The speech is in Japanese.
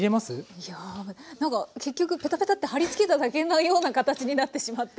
いやあ何か結局ペタペタって貼り付けただけのような形になってしまって。